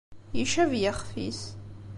Icab yixef-is.